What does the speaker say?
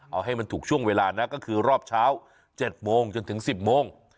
เอาให้มันถูกช่วงเวลานะก็คือรอบเช้า๗โมงจนถึง๑๐โมง